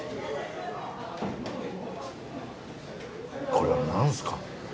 これは何すか。